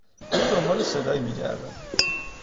گویی دنبال صدایی میگردد